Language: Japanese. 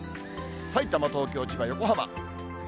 さいたま、東京、千葉、横浜。